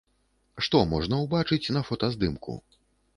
Што можна ўбачыць на фотаздымку?